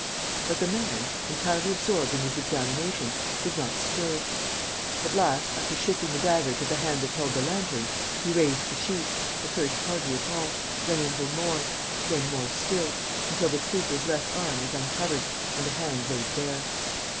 But the man, entirely absorbed in his examination, did not stir. At last, after shifting the dagger to the hand that held the lantern, he raised the sheet, at first hardly at all, then a little more, then more still, until the sleeper's left arm was uncovered and the hand laid bare.